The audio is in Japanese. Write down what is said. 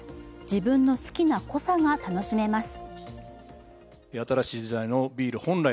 自分の好きな濃さが楽しめます。